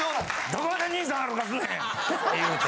・「どこまで兄さん歩かすねん！」って言うて。